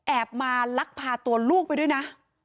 มาลักพาตัวลูกไปด้วยนะ